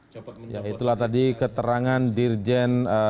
ya itulah tadi keterangan dirjen